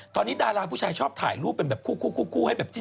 ตอนนี้ดาราผู้ชายชอบถ่ายรูปเป็นแบบคู่ให้แบบจิ้น